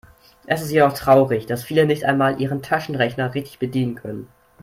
Es ist jedoch traurig, dass viele nicht einmal ihren Taschenrechner richtig bedienen können.